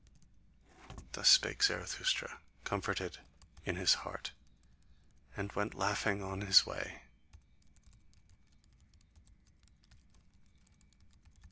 Thus spake Zarathustra, comforted in his heart, and went laughing on his way.